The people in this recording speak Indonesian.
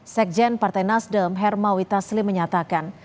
sekjen partai nasdem hermawi taslim menyatakan